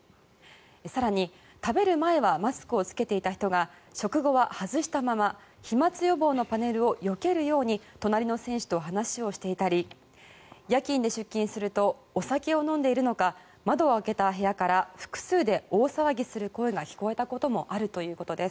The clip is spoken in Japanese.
更に、食べる前はマスクを着けていた人が食後は外したまま飛まつ予防のパネルをよけるように隣の選手と話をしていたり夜勤で出勤するとお酒を飲んでいるのか窓を開けた部屋から複数で大騒ぎする声が聞こえたこともあるということです。